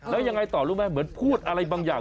แล้วยังไงต่อรู้ไหมเหมือนพูดอะไรบางอย่าง